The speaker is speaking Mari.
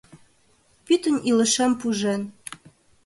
Пӱтынь илышем пужен...»